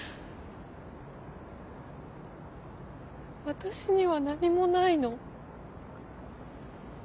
私には何もないの。